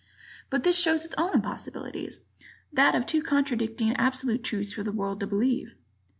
But this shows its own impossibilities: that of two contradicting absolute truths for the world to believe.